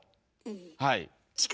はい。